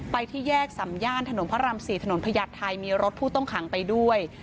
ไปที่แยกสำย่านถนนพระราม๔ถนนพญาติไทยมีรถผู้ต้องขังไปด้วย